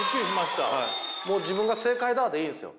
もう自分が正解だでいいですよ。